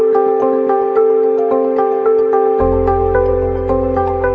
จริงจริงจริงพี่แจ๊คเฮ้ยสวยนะเนี่ยเป็นเล่นไป